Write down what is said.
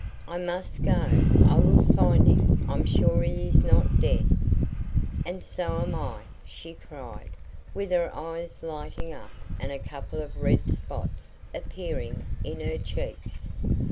"I must go. I will find him. I'm sure he is not dead." "And so am I," she cried, with her eyes lighting up and a couple of red spots appearing in her cheeks.